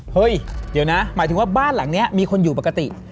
เฮ้ยเดี๋ยวนะหมายถึงว่าบ้านหลังนี้มีคนอยู่ปกติ